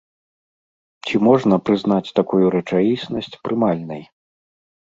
Ці можна прызнаць такую рэчаіснасць прымальнай?